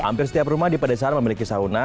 hampir setiap rumah di pedesaan memiliki sauna